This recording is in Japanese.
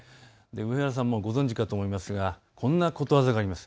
皆さんもご存じかと思うんですがこんなことわざがあります。